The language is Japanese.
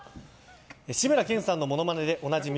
志村けんさんのモノマネでおなじみ